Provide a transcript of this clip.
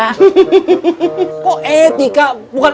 kok etika bukan etika bukan